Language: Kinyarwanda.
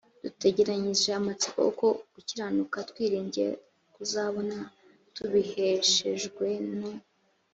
dutegerezanyije amatsiko uko gukiranuka twiringiye kuzabona tubiheshejwe no